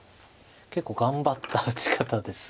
結構頑張った打ち方です。